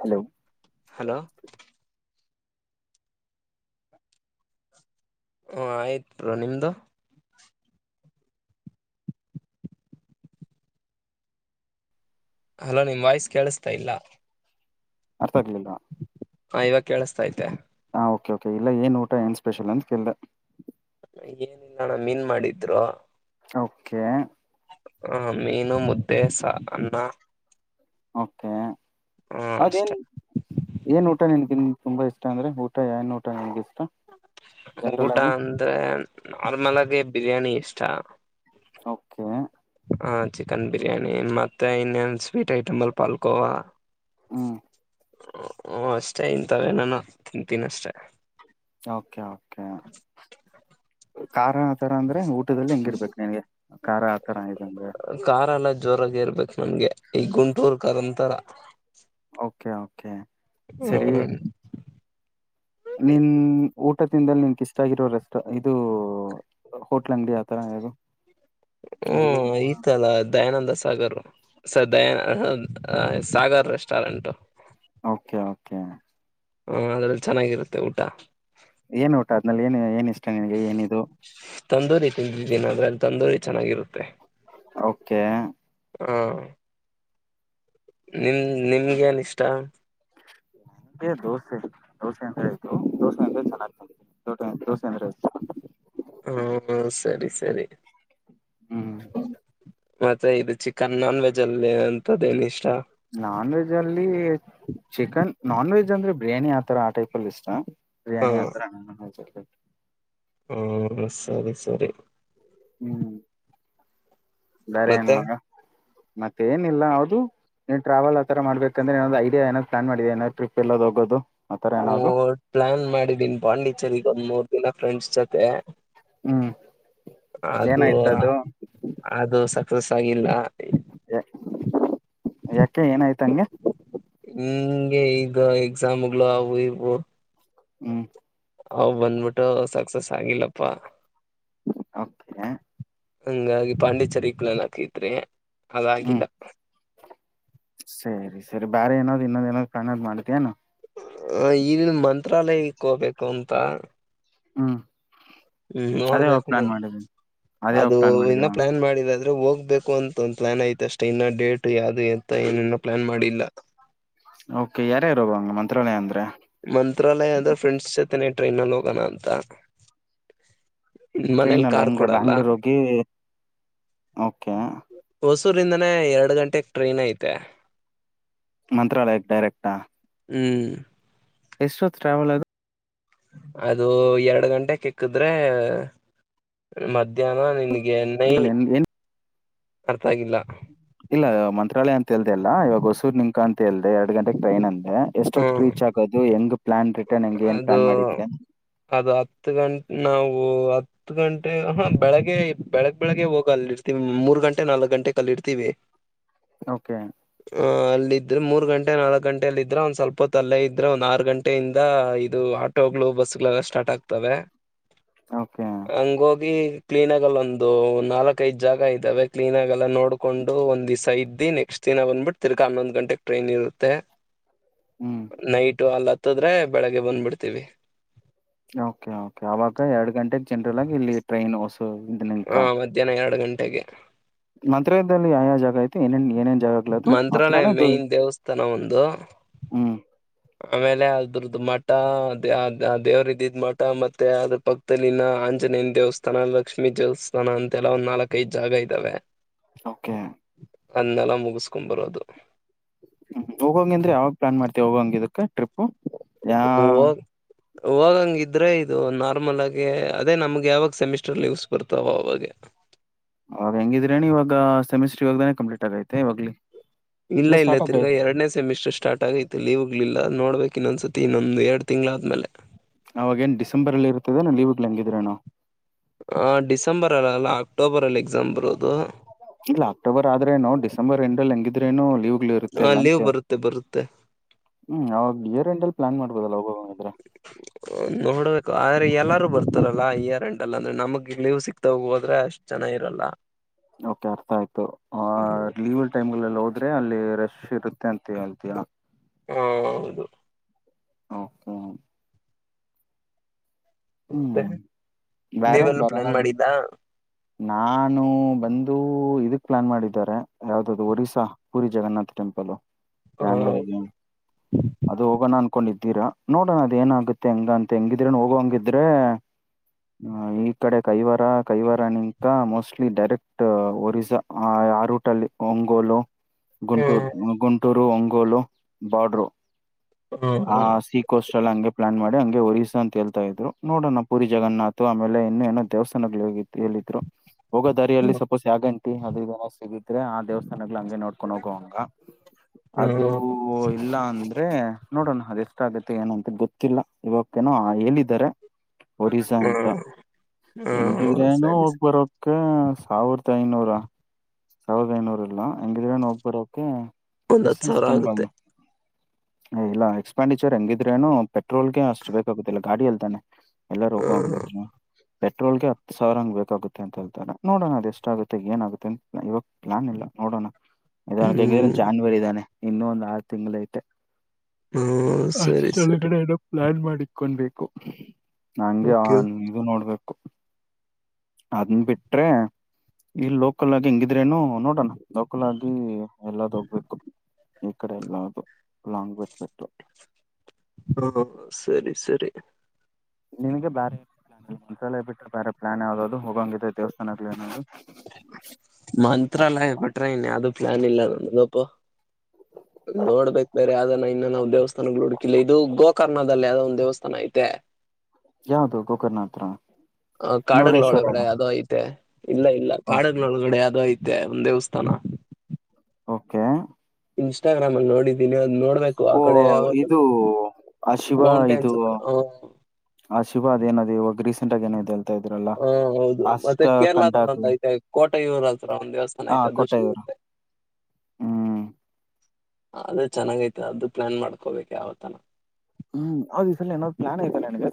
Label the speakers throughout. Speaker 1: Hello
Speaker 2: hello ಅ ಆಯ್ತ್ರಿ ನಿಮ್ದು. ಹಲೋ ನಿಮ್ಮ್ ವಾಯ್ಸ್ ಕೇಳಸ್ತಾ ಇಲ್ಲಾ.
Speaker 1: ಅರ್ಥ ಆಗ್ಲಿಲ್ಲಾ.
Speaker 2: ಹಾ ಇವಾಗ ಕೇಳಿಸ್ತಾ ಐತೆ.
Speaker 1: ಹಾ ಓಕೆ ಓಕೆ ಇಲ್ಲ ಏನ್ ಊಟ ಏನ್ ಸ್ಪೆಷಲ್ ಅಂತ ಕಳ್ದೆ.
Speaker 2: ಏನಿಲ್ಲ ಅಣ್ಣಾ ಮೀನ್ ಮಾಡಿದ್ರು.
Speaker 1: ಓಕೆ
Speaker 2: ಹ ಮೀನು, ಮುದ್ದೆ, ಸಾರು, ಅನ್ನ
Speaker 1: ಓಕೆ
Speaker 2: ಹಾ
Speaker 1: ಅದೇನ್
Speaker 2: ಅಷ್ಟೆ
Speaker 1: ಏನ್ ಊಟ [unintelligible] ತುಂಬಾ ಇಷ್ಟ ಅಂದ್ರೆ ಊಟ ಏನ್ ಊಟ ನನ್ಗ ಇಷ್ಟ. ಜನರಲ್
Speaker 2: ಊಟ
Speaker 1: ಆಗಿ
Speaker 2: ಅಂದ್ರೆ ನಾರ್ಮಲ್ ಆಗಿ ಬಿರಿಯಾನಿ ಇಷ್ಟ.
Speaker 1: ಓಕೆ
Speaker 2: ಹಾ ಚಿಕ್ಕನ್ ಬಿರಿಯಾನಿ ಮತ್ತೆ ಇನ್ನೇನ್ ಸ್ವೀಟ್ ಐಟಮ್ ಅಲ್ಲಿ ಪಾಲ್ಕೋವಾ.
Speaker 1: ಹ್ಮ್
Speaker 2: ಅ ಅಷ್ಟೇ [unintelligible] ತಿಂತೀನಿ ಅಷ್ಟೇ.
Speaker 1: Okay okay. ಖಾರ ಆ ತರ ಅಂದ್ರೆ ಊಟದಲ್ಲಿ ಹೆಂಗಿರ್ಬೇಕ್ ನಿನಗೆ ಖಾರ ಆ ತರ ಇದ್ದಂಗೆ.
Speaker 2: ಖಾರಾ ಎಲ್ಲ ಜೋರಾಗಿ ಇರ್ಬೇಕ್ [unintelligible] ಈ ಗುಂಟೂರ್ ಖಾರಂತರಾ.
Speaker 1: ಓಕೆ ಓಕೆ ಸರಿ.
Speaker 2: ಹ್ಮ
Speaker 1: ನಿನ್ ಊಟತಿಂದಲ್ಲಿ ನಿನ್ಕ್ ಇಷ್ಟ ಆಗಿರೋ ರೆಸ್ಟೊ ಇದು ಹೋಟ್ಲ್ ಅಂಗಡಿ ಆತರ ಯಾಗೋ.
Speaker 2: ಹ್ಮ್ ಐತಲ್ಲ Dayananda Sagar. Sir Dayanand Sagar restaurant.
Speaker 1: Okay okay.
Speaker 2: ಹಾ ಅದ್ರಲ್ಲಿ ಚೆನ್ನಾಗಿರುತ್ತೆ ಊಟ.
Speaker 1: ಏನ್ ಊಟ ಅದ್ನಲ್ಲಿ ಏನ್ ಏನ್ ಇಷ್ಟ ನಿನಗೆ ಏನಿದು?
Speaker 2: ತಂದೂರಿ ತಿಂದಿದ್ದೀನ ಅಂದ್ರೆ ಅಲ್ಲಿ ತಂದೂರಿ ಚೆನ್ನಾಗಿರುತ್ತೆ.
Speaker 1: ಓಕೆ.
Speaker 2: ಹ ನಿಮ್ ನಿಮ್ಗೇನ್ ಇಷ್ಟ?
Speaker 1: ನಂಗೆ ದೋಸೆ ಇತು ದೋಸೆ ಅಂದ್ರೆ ಆಯ್ತು ದೋಸೆ ಅಂದ್ರೆ ಚೆನ್ನಾಗ್ತದೆ ದೋಸೆ ಅಂದ್ರೆ ಇಷ್ಟ.
Speaker 2: ಹ್ಮ ಸರಿ ಸರಿ.
Speaker 1: ಹ್ಮ್
Speaker 2: ಮತ್ತೆ ಇದು ಚಿಕನ್ ನಾನ್ ವೆಜ್ ಅಲ್ಲಿ ಅಂತದೇನ್ ಇಷ್ಟ?
Speaker 1: ನಾನ್ ವೆಜ್ಜಲ್ಲಿ ಚಿಕನ್ ನಾನ್ ವೆಜ್ ಅಂದ್ರೆ ಬಿರಿಯಾನಿ ಆತರ ಆ ಟೈಪ್ ಅಲ್ಲಿ
Speaker 2: ಹ
Speaker 1: ಬಿರಿಯಾನಿ ಆತರ ನಾನ್ ವಜ್ ಅ
Speaker 2: ಹ್ಮ ಸರಿ ಸರಿ.
Speaker 1: ಹ್ಮ್ ಬೇರೇನ್
Speaker 2: ಮತ್ತೆ
Speaker 1: ಮಗ ಮತ್ತೆೇನಿಲ್ಲ ಹೌದು. ನೀನ್ ಟ್ರಾವೆಲ್ ಆ ತರ ಮಾಡಬೇಕಂದ್ರೆನೊ ಐಡಿಯಾ ಏನಾದ್ರು ಪ್ಲಾನ್ ಮಾಡಿದೆ ಏನ ಟ್ರಿಪ್ ಎಲ್ಲದ ಹೋಗೋದು. ಆತರ ಏನಾದ್ರು
Speaker 2: ಹ ಪ್ಲಾನ್ ಮಾಡಿದೀನ್ ಪಾಂಡೀಚೆರ್ಗ್ ಒಂದ್ ಮೂರ್ ದಿನ ಫ್ರೆಂಡ್ಸ್ ಜೊತೆ.
Speaker 1: ಹ್ಮ್
Speaker 2: ಅದು ಅದು ಸಕ್ಸಸ್ ಆಗಿಲ್ಲ.
Speaker 1: ಯ ಯಾಕೆ ಏನಾಯ್ತು ಹಂಗೆ?
Speaker 2: ಹಂಗೆ ಇದು ಎಕ್ಸಾಮ್ಗಳು ಅವು ಇವು.
Speaker 1: ಹ್ಮ್
Speaker 2: ಅವ್ ಬಂದ್ಬಿಟ್ಟು ಸಕ್ಸಸ್ ಆಗಿಲ್ಲಪ್ಪಾ.
Speaker 1: ಓಕೆ.
Speaker 2: ಹಂಗಾಗಿ ಪಾಂಡಿಚೇರಿಗ್ ಪ್ಲಾನ್ ಹಾಕಿದ್ವಿ ಅದ್
Speaker 1: ಹ್ಮ್
Speaker 2: ಆಗಿಲ್ಲ.
Speaker 1: ಸರಿ ಸರಿ ಬೇರೆ ಏನಾದ್ ಇನ್ನೊಂದು ಇನ್ನೊಂದು ಪ್ಲಾನದ್ ಮಾಡಿದ್ದೇನು?
Speaker 2: ಹ ಇಲ್ಲಿನ್ ಮಂತ್ರಾಲಯಕ್ಕೆ ಹೋಗ್ಬೇಕು ಅಂತ.
Speaker 1: ಹ್ಮ.
Speaker 2: ಹ್ಮ್ ನೋಡ್ಬೇಕು
Speaker 1: ಅದೇ ಹೋಗ್
Speaker 2: ಅದು
Speaker 1: ಪ್ಲಾನ್
Speaker 2: ಇನ್ನು
Speaker 1: ಮಾಡಿದ್ಯಾ
Speaker 2: ಪ್ಲಾನ್ ಮಾಡಿಲ್ಲಾದ್ರೆ ಹೋಗ್ಬೇಕು. ಕು ಅಂತ ಒಂದ್ ಪ್ಲಾನ್ ಐತೆ ಅಷ್ಟೆ ಇನ್ನ ಡೇಟ್ ಯಾವ್ದು ಎತ್ತ ಏನ್ನೂ ಪ್ಲಾನ್ ಮಾಡಿಲ್ಲ.
Speaker 1: ಓಕೆ ಯಾರ್ಯಾರು ಹೋಗಂಗೆ ಮಂತ್ರಾಲಯ ಅಂದ್ರೆ.
Speaker 2: ಮಂತ್ರಾಲಯ ಅಂದ್ರೆ ಫ್ರೆಂಡ್ಸ್ ಜೊತೆನೆ ಟ್ರೈನಲ್ ಹೋಗೋಣ ಅಂತ. ಮನೇಲಿ
Speaker 1: ಟ್ರೈನಲ್ಲಿ
Speaker 2: ಕಾರ್
Speaker 1: ಹೆಂಗೆ
Speaker 2: ಕೊಡಲ್ಲ
Speaker 1: ಬ್ಯಾಂಗ್ಳೂರು ಹೋಗಿ ಓಕೆ.
Speaker 2: ಹೊಸೂರಿಂದಾನೇ ಎರಡು ಗಂಟೆೆಗೆ ಟ್ರೈನ್ ಐತೆ.
Speaker 1: ಮಂತ್ರಾಲಯಕ್ ಡೈರೆಕ್ಟಾ?
Speaker 2: ಹ್ಮಞ
Speaker 1: ಎಷ್ಟೊತ್ ಟ್ರಾವೆಲ್ ಅದು?
Speaker 2: ಅದು ಎರಡು ಗಂಟೆಕೆ ಇಕ್ಕಿದ್ರೆ ಮಧ್ಯಾಹ್ನ ನಿನ್ಗೆ ನೈ
Speaker 1: ಅಂಕಲ್ ಎನ್ ಏನ್
Speaker 2: ಅರ್ಥ ಆಗಿಲ್ಲ.
Speaker 1: ಇಲ್ಲ ಮಂತ್ರಾಲಯ ಅಂತ ಹೇಳ್ದಲ್ಲ ಇವಾಗ ಹೊಸೂರ್ ನಿಂಕ ಅಂತ ಹೇಳ್ದೆ ಎರಡ್ ಗಂಟೆಗೆ ಟ್ರೈನ್ ಅಂದ್ ಎಷ್ಟೊತ್
Speaker 2: ಹ್ಮ್
Speaker 1: ರೀಚ್ ಆಗೋದು ಹೆಂಗ್ ಪ್ಲಾನ್ ರಿ
Speaker 2: ಅದು ಅದು ಹತ್ತು ಗಂಟೆ ನಾವು ಹತ್ತು ಹತ್ತು ಗಂಟೆ ಹಾ ಬೆಳಗ್ಗೆ ಬೆಳಗ್ ಬೆಳಿಗ್ಗೆ ಹೋಗ ಅಲ್ಲಿರ್ತೀವಿ ಮೂರ್ ಗಂಟೆ ನಾಲ್ಕಕ್ ಗಂಟೆ ಕ ಅಲ್ಲಿರ್ತೀವಿ
Speaker 1: ಓಕೆ
Speaker 2: ಆ ಅಲ್ಲ ಇದ್ರೆ ಮೂರ್ ಗಂಟೆ ನಾಲ್ಕಕ್ ಗಂಟೆ ಅಲ್ಲೆ ಇದ್ರೆ ಒಂದ್ ಸ್ವಲ್ಪ ತಲೆೇ ಇದ್ರೆ ಒಂದ್ ಆರು ಗಂಟೆ ಇದ ಇದು ಆಟೋಗಳು ಬಸ್ ಗಳೆಲ್ಲ ಸ್ಟಾರ್ಟ್ ಆಗ್ತವೆ
Speaker 1: ಓಕೆ
Speaker 2: ಹಂಗ ಹೋಗಿ ಕ್ಲೀನ್ ಆಗಲ್ಲ ಒಂದು ನಾಲ್ಕ ಐದ್ ಜಾಗ ಇದಾವೆ ಕ್ಲೀನ್ ಆಗಲ್ಲ ನೋಡ್ ಕೊಂಡು ಒಂದ್ ದಿಸಾ ಇದ್ದ ನೆಕ್ಸ್ಟ್ ದಿನ ಬಂದ್ಬಿಟ್ಟ ತಿರ್ಗಾ ಹನ್ನೊಂದು ಗಂಟೆಗೆ ಟ್ರೈನ್ ಇರುತ್ತೆ
Speaker 1: ಹ್ಮ್
Speaker 2: ನೈಟು ಅಲ್ಲಿ ಹತ್ತದ್ರೆ ಬೆಳಿಗ್ಗೆ ಬಂದ್ಬಿಡ್ತೀವಿ
Speaker 1: ಓಕೆ ಓಕೆ ಅವಾಗ ಎರಡ್ ಗಂಟೆಗೆಗ್ ಜನರಲ್ ಆಗಿ ಇಲ್ಲಿ ಟ್ರೈನ್ ಹೊಸ
Speaker 2: ಹಾ ಮಧ್ಯಾಹ್ನ ಎರಡು ಗಂಟೆಗೆ
Speaker 1: ಮಂತ್ರಾಲಯದಲ್ಲಿ ಯಾವ ಯಾವ ಜಾಗ ಐತೆ ಏನೇನ್ ಜಾಗ
Speaker 2: ಮಂತ್ರಾಲಯ ಮೆನ್ ದೇವಸ್ಥಾನ ಒಂದು
Speaker 1: ಹ್ಮ
Speaker 2: ಆಮೇಲೆ ಅದ್ರದ್ದ ಮಠ ದೇವ್ರ ಇದಿದ ಮಠ ಮತ್ತೆ ಅದ್ರ ಪಕ್ಕ ಮುತ್ತಲಿನ ಆಂಜನೇಯ ದೇವಸ್ಥಾನ ಲಕ್ಷ್ಮೀ ದೇವಸ್ಥಾನ ಅಂತೆಲ್ಲ ಒಂದ್ ನಾಲ್ಕೈದು ಜಾಗ ಇದ್ದಾವೆ
Speaker 1: ಓಕೆ
Speaker 2: ಅದನ್ನೆಲ್ಲ ಮುಗಿಸಕೊಂಡು ಬರೋದು.
Speaker 1: ಹ ಹೋಗಂಗಂದ್ರೆ ಯಾವಾಗ ಪ್ಲಾನ್ ಮಾಡ್ತಿಯ ಹೋಗಂಗ ಇದ್ದಿದ್ರೆ.
Speaker 2: [inaudible] ಹಾಗಂಗ ಇದ್ರೆ ಇದು ನಾರ್ಮಲ್ ಆಗಿ ಅದೇ ನಮ್ಗೆ ಯಾವಾಗ ಸೆಮಿಸ್ಟರ್ ಲೀವ್ಸ್ ಬರ್ತಾವ ಅವಾಗೆ.
Speaker 1: ಅವವಾಗ ಹೆಂಗಿದ್ರೇನವಾಗ ಸೆಮಿಸ್ಟ್ರ ಇಗಾಗ್ದಾನ ಕಂಪ್ಲೀಟ್ ಆಗೈತೆ ಇವಾಗಲಿ..
Speaker 2: ಇಲ್ಲ ಇಲ್ಲ ತಿರ್ಗ ಎರಡನೇ ಸೆಮಿಸ್ಟರ್ ಸ್ಟಾರ್ಟ್ ಆಗೈತೆ. ಮತ್ತು ಎಲ್ಲೂ ಹೋಗ್ಲಿಲ್ಲ ನೋಡ್ಬೇಕು ಇನ್ನೊಂದು ಸರ್ತಿ ಇನ್ನೊಂದು ಎರಡು ತಿಂಗಳು ಆದ್ಮೇಲೆ.
Speaker 1: ಅವಾಗೇನ್ ಡಿಸೆಂಬರ್ ಅಲ್ಲಿ ಇರ್ತದೆ ನಾ ಲೀವ್ ಹ ಹೆಂಗಿದ್ರೆ ನಾವು.
Speaker 2: ಆ ಡಿಸೆಂಬರ್ ಅಲ್ಲ ಅಲ್ಲ ಅಕ್ಟೋಬರ್ ಅಲ್ಲಿ ಎಕ್ಸಾಮ್ ಬರೋದು
Speaker 1: ಇಲ್ಲ ಅಕ್ಟೋಬರ್ ಆದ್ರೇನು ಡಿಸೆಂಬರ್ ಎಂಡ್ ಅಲ್ಲಿ ಹೆಂಗಿದ್ರೇನು ಲೀವ್ [unintelligible] [unintelligible]
Speaker 2: ಆ
Speaker 1: ಲ್ಲ
Speaker 2: ಲೀವ್
Speaker 1: ಅ
Speaker 2: ಬರುತ್ತೆ ಬರುತ್ತೆ
Speaker 1: ಹ್ಮ ಅವಾಗ ಇಯರ್ ಎಂಡ್ ಲ್ಲಿ ಪ್ಲಾನ್ ಮಾಡ್ಬೋದಲ್ಲ ಹೋಗ್ ಆಗೋ ಇದ್ರೆ. [inaudible]
Speaker 2: ನೋಡ್ಬೇಕು ಆದ್ರೆ ಎಲ್ಲಾರೂ ಬರ್ತಾರಲ್ಲಾ ಇಯರ್ ಎಂಡ್ [unintelligible] ಅಂದ್ರೆ ನಮ್ಗೆ ಲೀವ್ ಸಿಕ್ತಾ ಹೋದ್ರೆ ಅಷ್ಟೆ ಚೆನ್ನಾಗಿರಲ್ಲ.
Speaker 1: ಓಕೆ ಅರ್ಥ ಆಯ್ತು. ಆ [unintelligible] ಲೀವಲ್ ಟೈಮ್ಲ್ಲಿ ಹೋದ್ರೆ ಅಲ್ಲಿ ರಶ್ ಇರುತ್ತೆ ಅಂತ ಹೇಳ್ತೀರಾ
Speaker 2: ಹ ಹೌದು.
Speaker 1: ಹಹೋ.
Speaker 2: ಮತ್ತೆ
Speaker 1: ಹ್ಮ್ ಬೇರೆ
Speaker 2: ನೀವೆಲ್ಲ
Speaker 1: ಬರ.
Speaker 2: ಪ್ಲಾನ್ ಮಾಡಿದ್ದ
Speaker 1: ನಾನು ಬಂದು ಇದಕ್ ಪ್ಲಾನ್ ಮಾಡಿದ್ದಾರೆ ಯಾವ್ದ ಅದು ಒರಿಸ್ಸ. ಪೂರಿ ಜಗನ್ನಾಥ ಟೆಂಪಲ್
Speaker 2: ಹ
Speaker 1: ಜನವರಿಗೆ ಅದು ಹೋಗೋಣ ಅನ್ಕೊಂಡಿದ್ದೀರ ನೋಡಣ ಅದ ಏನ ಆಗುತ್ತೆ ಹೆಂಗ ಅಂತ ಹೆಂಗಿದ್ರು ಹೋಗೋ ಹಂಗ್ ಇದ್ರೆ ಹ ಈ ಕಡೆ ಕೈವರ ಕೈವರನಕ ಮೋಸ್ಟ್ಲಿ ಡೈರೆಕ್ಟ್ ಒರಿಸ್ಸಾ. ಆ ಅ ರೋಟೇಲಿ [unintelligible] ಊಟಲ್ಲಿ ಒಂಗೋಲು ಗುಂಟೂರು
Speaker 2: ಹ್ಮ್
Speaker 1: ಗುಂಟೂರು ಒಂಗೋಲು ಬಾರ್ಡರ್
Speaker 2: ಹ್ಮ್
Speaker 1: ಆ
Speaker 2: ಹ್ಮ್
Speaker 1: ಕೋಸ್ಟ್ ಅ ಹಂಗೆ ಪ್ಲಾನ್ ಮಾಡಿ ಹಂಗೆ ಒರಿಸ್ಸಾ ಅಂತ ಹೇಳ್ತಾ ಇದ್ರು. ನೋಡೋಣ ಪುರಿ ಜಗನ್ನಾಥ್ ಆಮೇಲೆ ಇನ್ನುೂ ಏನೋ ದೇವಸ್ಥಾನಗಳ ದಾರಿ ಹೇಳಿದ್ರು ಹೋಗೋ ದಾರಿಯಲ್ಲಿ ಸಪೋಸ್. ಜಾಗಂಟಿ ಅದ್ರ ನೋ ಸಿಗಿದ್ರೆ ಆ ದೇವಸ್ಥಾನಗಳಗಳು ಹಂಗೆ ನೋಡ್ಕೊಂಡು [unintelligible] ೊಂಡೋಗುವಂಗ
Speaker 2: ಹ್ಮ್
Speaker 1: ಅದು
Speaker 2: ಹ್ಮ್
Speaker 1: ಇಲ್ಲ ಅಂದ ನೋಡೋಣ ಅದ ಎಷ್ಟ ಆಗತ್ತೆ ಏನಂತ ಗೊತ್ತಿಲ್ಲ ಇವಕ್ಕೇನೋ ಹೇಳಿದಿದ್ದಾರೆ ಒರಿಸಸಾ ಅಂತ
Speaker 2: ಹ್ಮ್ ಹ್ಮ್
Speaker 1: ಹೆಂಗಿದ್ರನೂ
Speaker 2: ಸರಿ
Speaker 1: ಹೋಗ್
Speaker 2: ಸರಿ
Speaker 1: ಬರೋ ಸಾವಿರದ ಐನೂರ ಸಾವಿರದ ಐನೂರು ಇಲ್ಲ ಎಂಗ ದರ ನ ಒಬರೋಕ
Speaker 2: ಒಂದ್ ಹತ್
Speaker 1: ಡಿಸ್ಟನ್
Speaker 2: ಸಾವಿರ
Speaker 1: ತುಂಬ
Speaker 2: ಆಗುತ್ತೆ
Speaker 1: ಇಲ್ಲ ಎಕ್ಸ್ಪೆಂಡಿಚರ್ ಹೆಂಗಿದ್ರೇನು ಪೆಟ್ರೋಲ್ಗೆ ಅಷ್ಟು ಬೇಕಾಗುದಿಲ್ಲ ಗಾಡಿಿಯಲ್ ತಾನೆ ಎಲ್ಲಾ
Speaker 2: ಹ
Speaker 1: ಹೋಗ ಹಿದ್ರು ಪೆಟ್ರೋಲ್ಗೆ ಹತ್ತು ಸಾವಿರ ಹಂಗ ಬೇಕಾಗುತ್ತೆ ಅಂತ ಹೇಳ್ತಾರೆ ನೋಡೋಣ ಅದ ಎಷ್ಟಾಗಗುತ್ತೆ ಏನಾಗುತ್ತೆ ಅ ಇವಾಗ ನಾನ ಇಲ್ಲ ನೋಡೋಣ ಇದ ಹೆಂಗಿದ
Speaker 2: ಹ್ಮ್
Speaker 1: ಜಾನ್ವರಿ ಇದ್ದಾನೆ ಇನ್ನ ಒಂದ್ ಆರು ತಿಂಗ್ಳ ಐತೆ
Speaker 2: ಹ್ಮ ಸರಿ
Speaker 1: ಅಷ್ಟೆ
Speaker 2: ಸರಿ
Speaker 1: ಒಳಗಡೆ ಯಲ್ಲಾ ಪ್ಲಾನ್ ಮಾಡಿಕೊಂಡಬೇಕು ನಂಗೆ
Speaker 2: ಓಕೆ
Speaker 1: ನೀವು ನೋಡ್ಬೇಕು ಅದನ್ ಬಿಟ್ರೆ ಈ ಲೋಕಲ್ ಆಗಿ ಹೆಂಗಿದ್ರೇನು ನೋಡಣ ಲೋಕಲ್ ಆಗಿ ಎಲ್ಲದ ಹೋಗ್ಬೇಕು ಈ ಕಡೆ ಎಲ್ಲದು ಲಾಂಗ್ ಬಿಟ್ಬಟ್ಟು
Speaker 2: ಹಾ ಸರಿ ಸರಿ
Speaker 1: ನಿನ್ಗೆ ಬೇರೆ ಪ್ಲಾನ್ ಒಂದ್ಸಲ ಬಿ್ರೆ ಬೇರೆ ಪ್ಲಾನ್ ಯಾವ್ದ ಹೋಗಂಗಿದೆ ದೇವಸ್ಥಾನಕ್ ಏನದು
Speaker 2: ಮಂತ್ರಲ್ಲಯ ಬಟ್ರ ಇನ್ ಯಾವ್ದು ಪ್ಲಾನ್ ಇಲ್ಲ ನನ್ಗಪ
Speaker 1: ಹ
Speaker 2: ನೋಡ್ಬೇಕೇಕ್ ಬೇ್ರ ಅದನ್ನ ಇನ್ನ ನಾವು ದೇವಸ್ಥಾನಗಳು ಹುಡ್ಕಿಲ್ಲ ಇದು ಗೋಕರ್ಣದಲ್ಲಿ ಯಾವದೋ ಒಂದು ದೇವಸ್ಥಾನ ಐತೆ
Speaker 1: ಯಾವದು ಗೋಕರ್ಣತ್ರ ಮುರುಡೇಶ್ವರನ
Speaker 2: ಯದೋ ಐತೆ ಇಲ್ಲ ಇಲ್ಲ ಕಾಡನೊಳಗಡೆ ಯಾವದೋ ಐತೆ ಒಂದ್ ದೇವಸ್ಥಾನ
Speaker 1: ಓಕೆ
Speaker 2: ಇನ್ಸ್ಟಾಗ್ರಾಮ್ ಅ ನೋಿದ್ದೀನಿ ಅದು ನೋ ಆ
Speaker 1: ಓ
Speaker 2: ಕಡೆ ಯ
Speaker 1: ಇದು ಆ ಶಿವ ಇದು
Speaker 2: ಮೌಂಟೇನ್ಸ್ ಹತ್ರ ಹ
Speaker 1: ಆ ಶಿವಭ ಅದೇಏನದು ಇವಾಗ ರೀಸಂಟ್ ಆಗ ಏನಿದೆ ಅಲ್ಲಿ
Speaker 2: ಹಾ ಹೌದು ಮತ್ತೆ ಕೇರಳಾದದಲ್ಲಿ ಒಂದ್
Speaker 1: ಕಂಡಾಕ್ಲೆ
Speaker 2: ಐತೆ ಕೋಟೆಯೂರ ಹತ್ರ ಒಂದ್ ದೇವಸ್ಥಾನ ಐತೆ ಅ ದದುಶ
Speaker 1: ಹ್ಮ
Speaker 2: ಅದೇ ಚೆನ್ನಾಗೈತೆ ಅದು ಪ್ಲಾನ್ ಮಾಡಕೋಬೇಕು ಯಾವತನ
Speaker 1: ಹ್ಮ್ ಹೌದು ಈ ಸ ಏನಾದ್ ಪ್ಲಾನ್ ಆಯ್ತಲ್ಲ ನನ್ಗೆ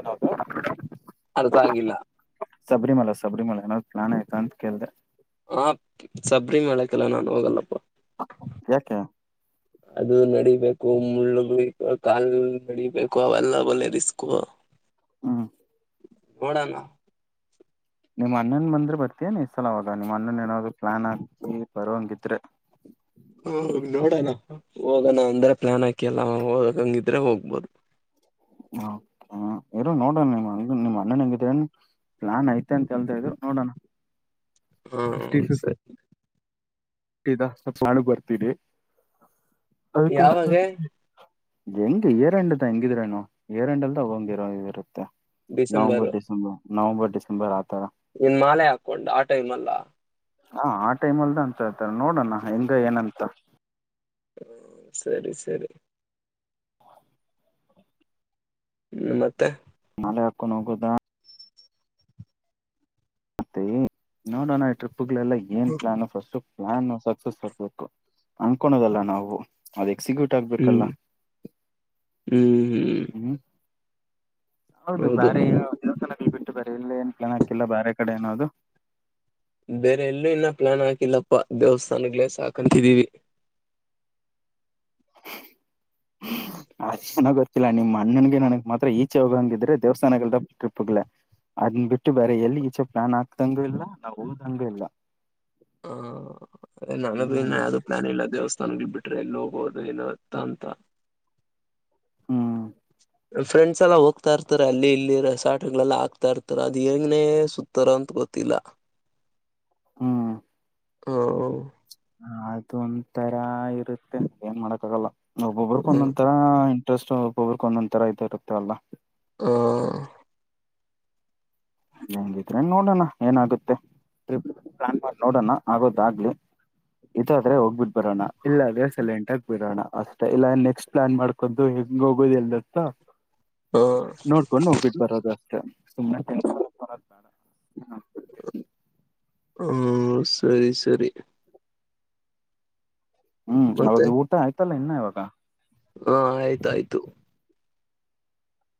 Speaker 1: ಏನ
Speaker 2: ಅರ್ಥ ಆಗಿಲ್ಲ
Speaker 1: ಸಬರಿಮಲ ಸಬರಿಮಲ ಏನಾದ್ಾನ್ ಆಯ್ತಾ ಅಂತ ಕೇಳ್ದೆ
Speaker 2: ಹ ಸಬರಿಿ ಮಕಲ್ಲ ನಾನ್ ಹೋಗಲ್ಲಪ್ಪ
Speaker 1: ಯಾಕೆ
Speaker 2: ಅದು ನಡೀಬೇಕು ಮುಳ್ಳುಗ್ ಕಾಲ್ ನಡಬೇಕು ಅವೆಲ್ಲ ಒಲೆ ರಿಸ್ಕು
Speaker 1: ಹಾ
Speaker 2: ನೋಡಣ
Speaker 1: ನಿಮ್ಮ ಅ್ಣನ್ ಬಂದ್ರೆ ಬರ್ತೀಯನೆ ಈಸಲ ಅವಾಗ ನಿಮ್ಮ್ ಅ್ಣನ್ ನಾದಾಗ್ ಪ್ಲಾನ್ ಆಗ್ತಿ ಬರ ಹಂಗಿದ್ರೆ
Speaker 2: ಹ ನೋಡಣ ಹೋಗೋಣ ಅಂದ್ರೆ ಪ್ಲಾನ್ ಹಾಕಿ ಅಲ್ಲ ಹೋಗಂಗಿದ್ರೆ ಹೋಗ್ಬೋದು
Speaker 1: ಹಾ ಹ ಹ ಇರು ನೋಡಣ ನಿಂಗ ನಿಮ್ ಅಣ್ಣನ್ ಹಂಗಿದ ಏನ್ ಪ್ಲಾನ್ ಐತೆ ಅಂತ ಕೇಳ್ತ ಇದ್ರು ನೋಡೋಣ
Speaker 2: ಹಾ
Speaker 1: ಫಿಫ್ಟಿ ಫಿಫ್ಟಿ
Speaker 2: ಸರಿ
Speaker 1: ಇದ ಸ್ವಲ್ಪ ನಾನು ಬರ್ತಿದೆಿ ಅದಕ್ಕೋಸ್
Speaker 2: ಯಾವಾಗ
Speaker 1: ಹೆಂಗ ಏರ್ಂಡದ ಹೆಂಗಿದಿ್ರನು ಏರ್ಂಡಲ್ದ ಹಂಗಿರೋ ಇರುತ್ತೆ
Speaker 2: December
Speaker 1: November December November December ಆತಾರ
Speaker 2: ನಿನ್ ಮಾಲೆ ಹಾಕೊಂಡ ಆ ಟೈಮ್ ಅಲ್ಲ.
Speaker 1: ಹಾ ಆ ಟೈಮ ಅಲ್ದ ಅನ್ಂತತೆ ನೋಡೋಣ ಹಿಂದೆ ಏನಂತ
Speaker 2: ಹ ಸರಿ ಸರಿ. ಹ್ಮ ಮತ್ತ
Speaker 1: ಮಾಲಿ ಹಾಕೊಂದ ಹೋಗುದಾ. ಮತ್ತೆ ನೋಡೋಣ ಈ ಟ್ರಿಪ್ ಗಳೆಲ್ಲ ಏನ್ ಪ್ಲಾನ್ ಫಸ್ಟ್. ಪ್ಲಾನ್ ಸಕ್ಸಸ್ ಆಗ್ಬೇಕು ಅನ್ಕೋನದಲ್ಲ ನಾವು ಅದಕ್ಕ ಸಿಗು ಟ್ಟಾಗಬೇಕಲ್ಲ
Speaker 2: ಹ್ಮ್ ಹ್ಮ್ ಹ್ಮ್
Speaker 1: ಹ್ಮ. ಹೌದು ಬಾರಿ ದೇವಸ್ಥಾನದಲ್ಲಿ ಬಿಟ್ಟು ಬೇರೆ ಇಲ್ಲೇ ಏನ್ ಪ್ಲಾನ್ ಹಾಕಿಲ್ಲ ಬ್ಯಾರೆ ಕಡೆ ಅದು
Speaker 2: ಬೇರೆ ಎಲ್ಲೂ ಇನ್ನ ಪ್ಲಾನ್ ಆಕಿಲ್ಲಪ್ಪಾ ದೇವಸ್ಥಾನಗಳೇ ಸಾಕಂತಿದೀವಿ.
Speaker 1: [unintelligible] ಅ ಚೆನ್ನಾಗ ಗೊತ್ತಿಲ್ಲ ನಿಮ್ಮ ಅಣ್ಣನಗೆ ನನಗ ಮಾತ್ರ ಈಚೆ ಹೋಗಂಗ ಇದ್ರೆ ದೇವಸ್ಥಾನಗಳ ಟ್ರಿಪ್ಗ್ಗಳ ಅದನ್ನ ಬಿಟ್ಟು ಬೇರೆ ಎಲ್ಲಿ ಈಚ ಪ್ಲಾನ್ ಹಾಕಾಂಗು ಇಲ್ಲಾ ನಾವು ಹೋದ್ದಂಗೂ ಇಲ್ಲ.
Speaker 2: ಹಾ ನನ್ನ ದು
Speaker 1: ಹ್ಮ್
Speaker 2: ಅದು ನಾನ ಇಲ್ಲಾ ದೇವಸ್ಥಾನಗ ಬಿಟ್ರೆ ಎಲ್ಲಿ ಹೋಗೋದು ಏನತ್ತ ಅಂತ
Speaker 1: ಹ್ಮ.
Speaker 2: ಫ್ರೆಂಡ್ಸ್ ಎಲ್ಲ ಹೋಗ್ತಾ ಇರ್ತಾರೆ ಅಲ್ಲಿ ಇಲ್ಲಿ ರೇಸಾಟಗಳೆಲ್ಲ ಹಾಕ್ತಾ ಇರ್ತಾರೆ ಅದು ಹೆಂಗನೆ ಸು ತರತ್ ಗೊತ್ತಿಲ್ಲ.
Speaker 1: ಹ್ಮ.
Speaker 2: ಹ
Speaker 1: ಅತ್ ಒಂತರ ಇರತ್ತೆ ಏನ್ ಮಾಡಕ್ಕ ಆಗಲ್ಲ ಒಬ್ಬೊಬ್ರಕ
Speaker 2: ಹ
Speaker 1: ಒಂದೊಂದ ತರಾ ಸ್ಟ್ ಒಬ್ಬ್ರಕ ಒಂದೊಂದ ತರ ಇದು ಇರುತ್ತಲ್ಲ.
Speaker 2: ಹ್ಮ.
Speaker 1: ಅಂಗಿದ್ರೆ ನೋಡೋಣ ಏನಾಗುತ್ತೆ ಟ್ರಿಪ್ ಪ್ಲಾನ್ ಮಾಡ ನೋಡೋಣ ಆಗೋದಾಗ್ಲಿ. ಇದಾದ್ರೆ ಹೋಗ್ ಬಿಟ್ಟ ಬರೋಣ ಇಲ್ಲ ಅಂದ್ರೆ ಸೈಲೆಂಟ್ ಆಗಿ ಬಿಡೋಣ ಅಷ್ಟೆ ಇಲ್ಲ ನೆಕ್ಸ್ಟ್ ಪ್ಲಾನ್ ಮಾಡ್ ಕೊದು ಹೆಂಗ ಹೋಗೋದ ಇಲ್ಲಾಂತ
Speaker 2: ಹ
Speaker 1: ನೋಡ್ಕೊಂಡ ಹೋಗ್ಬಿಟ್ಟ ಬರೋದ ಟ ಸುಮ್ನೆ ಟೈಮ್ ಪಾಸ್ [unintelligible]
Speaker 2: ಹ್ಮ ಸರಿ ಸರಿ.
Speaker 1: ಹ್ಮ ಅವಾಗೆ ಊಟ ಆಯ್ತಲ್ಲ ಇನ್ನ ಇವಾಗ
Speaker 2: ಹಾ ಆಯ್ತಾಯ್ತು.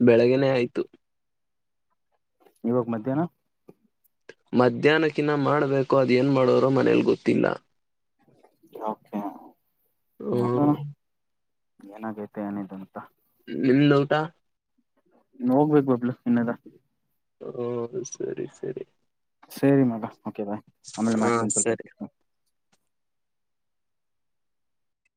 Speaker 2: ಬೆಳೆಗ್ಗೆನೆ ಆಯ್ತು.
Speaker 1: ಇವಾಗ್ ಮಧ್ಯಾಹ್ನ
Speaker 2: ಮಧ್ಯಾಹ್ನಕ್ಕಿನ್ನ ಮಾಡ್ಬೇಕೋ ಅದ ಏನ್ ಮಾಡೋರೋ ಮನೇಲಿ ಗೊತ್ತಿಲ್ಲ.
Speaker 1: ಓಕೆ
Speaker 2: ಹ್ಮ
Speaker 1: ನೋಡೋನು ಏನಾಗೈತೆ ಏನಿಲ್ಲ ಅಂತ
Speaker 2: ನಿನ್ನ ಊಟಾ
Speaker 1: ಹೋಗ್ಬೇಕು ಬಬ್ಲೂ ಇನ್ನಲಾ.
Speaker 2: ಹ್ಮ ಸರಿ ಸರಿ.
Speaker 1: ಸರಿ ಮಗ ಓಕೆ ಬಾಯ್ ಆಮೇಲ
Speaker 2: ಹಾ
Speaker 1: ಮಾಡ್ತೀನಿ
Speaker 2: ಸರಿ
Speaker 1: ಸ್ವಲ್ಪ ಬಿಟ್